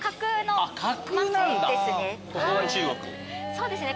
そうですね